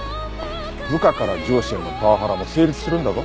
部下から上司へのパワハラも成立するんだぞ。